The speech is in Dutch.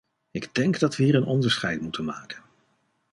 Ik denk dat we hier een onderscheid moeten maken.